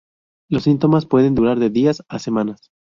Los síntomas pueden durar de días a semanas.